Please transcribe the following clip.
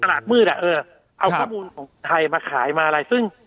หากมืดอ่ะเออเอาข้อมูลของไทยมาขายมาอะไรซึ่ง